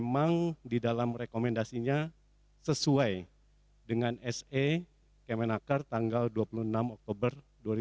memang di dalam rekomendasinya sesuai dengan se kemenaker tanggal dua puluh enam oktober dua ribu dua puluh